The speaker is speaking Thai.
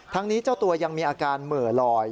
ทั้งนี้เจ้าตัวยังมีอาการเหม่อลอย